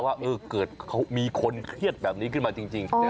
ว่าเกิดมีคนเครียดแบบนี้ขึ้นมาจริง